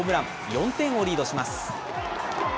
４点をリードします。